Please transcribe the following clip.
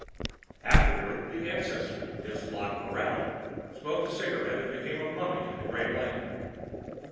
Afterward, the ancestor, his flock corralled, smoked a cigarette and became a mummy in a grey blanket.